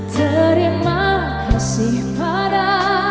terima kasih pada